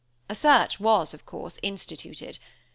A search was, of course, instituted.